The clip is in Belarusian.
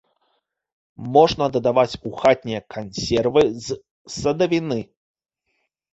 Можна дадаваць у хатнія кансервы з садавіны.